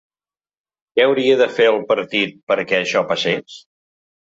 Què hauria de fer el partit perquè això passés?